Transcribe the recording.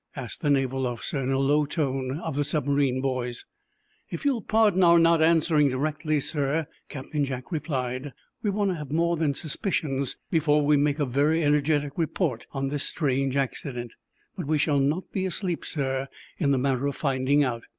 asked the naval officer, in a low tone, of the submarine boys. "If you'll pardon our not answering directly, sir," Captain Jack replied, "we want to have more than suspicions before we make a very energetic report on this strange accident. But we shall not be asleep, sir, in the matter of finding out.